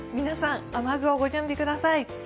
皆さん、雨具をご準備ください。